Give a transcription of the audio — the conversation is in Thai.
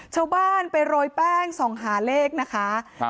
ชาวบ้านไปโรยแป้งส่องหาเลขนะคะครับ